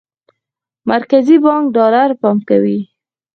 مرکزي بانک ډالر پمپ کوي.